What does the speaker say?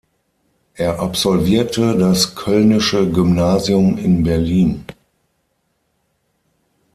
Er absolvierte das Köllnische Gymnasium in Berlin.